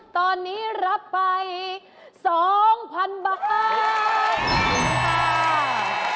ตอนนี้รับไป๒๐๐๐บาท